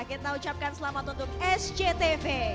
kita ucapkan selamat untuk sctv